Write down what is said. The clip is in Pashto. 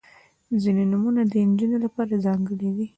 • ځینې نومونه د نجونو لپاره ځانګړي دي.